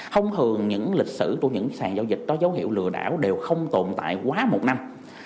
thông thường những lịch sử của những sàn giao dịch có dấu hiệu lừa đảo đều không tồn tại quá một năm